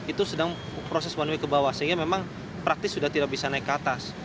itu sedang proses one way ke bawah sehingga memang praktis sudah tidak bisa naik ke atas